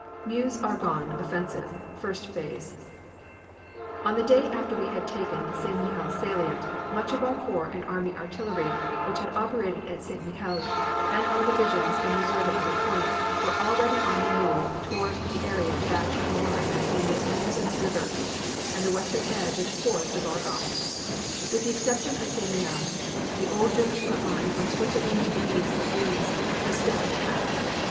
MEUSE ARGONNE OFFENSIVE, FIRST PHASE On the day after we had taken the St. Mihiel salient, much of our corps and army artillery which had operated at St. Mihiel, and our divisions in reserve at other points, were already on the move toward the area back of the line between the Meuse River and the western edge of the forest of Argonne. With the exception of St. Mihiel, the old German front line from Switzerland to the east of Rheims was still intact.